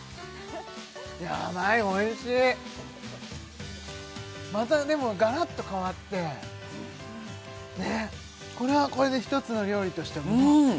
ヤバイおいしいまたでもガラッと変わってねっこれはこれで一つの料理としてうん！